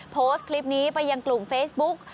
โพสต์คลิปนี้ไปยังกลุ่มเฟซบุ๊ก